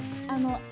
「あ」